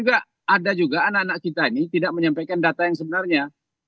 ada juga anak anak kita ini tidak menyampaikan data yang sebenarnya